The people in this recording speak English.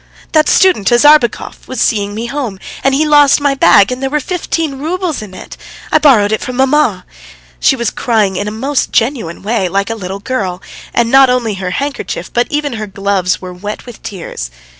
"That student, Azarbekov, was seeing me home, and he lost my bag, and there was fifteen roubles in it. I borrowed it from mamma." She was crying in a most genuine way, like a little girl, and not only her handkerchief, but even her gloves, were wet with tears.